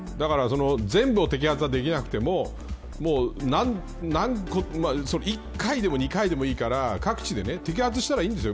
全部を摘発はできなくても１回でも２回でもいいから各地で摘発したらいいです。